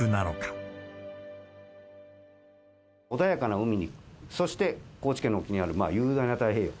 穏やかな海に、そして高知県の沖にある雄大な太平洋。